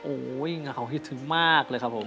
โอ้ยเหงาคิดถึงมากเลยครับผม